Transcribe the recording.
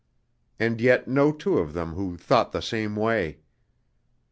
And yet no two of them who thought the same way.